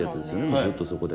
ずっとそこで。